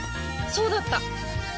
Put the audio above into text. そうだった！